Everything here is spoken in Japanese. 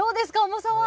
重さは。